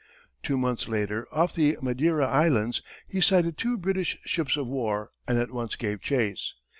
Two months later, off the Madeira Islands he sighted two British ships of war and at once gave chase.